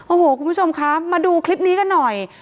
โอ้โหคุณผู้ชมคะมาดูคลิปนี้กันหน่อย